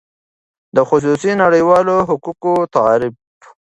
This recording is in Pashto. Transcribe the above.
د خصوصی نړیوالو حقوقو تعریف :